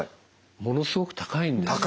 ものすごく高いんです。